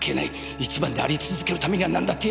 一番であり続けるためにはなんだってやる。